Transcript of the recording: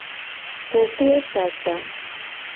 Koklosasa.